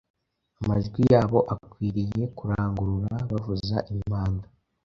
Amajwi yabo akwiriye kurangurura bavuza impanda